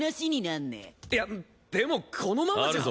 いやでもこのままじゃ！